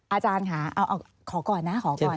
อาจารย์ค่ะขอก่อนนะ